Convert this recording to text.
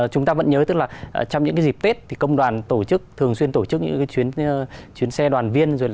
chúng ta vẫn nhớ trong những dịp tết công đoàn thường xuyên tổ chức những chuyến xe đoàn viên